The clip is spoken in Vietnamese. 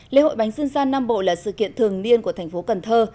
lễ hội bánh dân gian nam bộ là sự kiện thường niên của thành phố cần thơ